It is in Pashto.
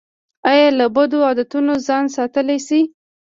ایا له بدو عادتونو ځان ساتلی شئ؟